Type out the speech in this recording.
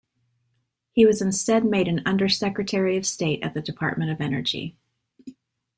He was instead made an Under-Secretary of State at the Department of Energy.